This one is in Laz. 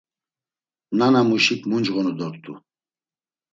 Nanamuşik muncğonu dort̆u.